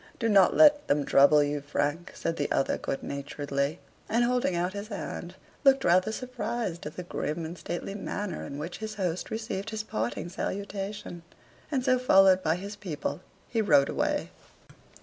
"Do not let them trouble you, Frank," said the other good naturedly, and holding out his hand, looked rather surprised at the grim and stately manner in which his host received his parting salutation; and so, followed by his people, he rode away.